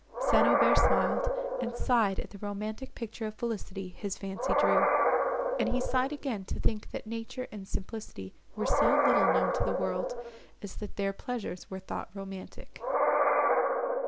St. Aubert smiled, and sighed at the romantic picture of felicity his fancy drew; and sighed again to think, that nature and simplicity were so little known to the world, as that their pleasures were thought romantic.